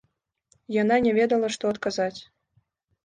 Яна не ведала, што адказаць.